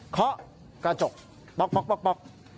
เคาะกระจกป๊อก